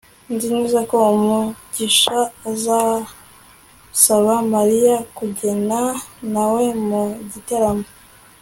nzi neza ko mugisha azasaba mariya kujyana nawe mu gitaramo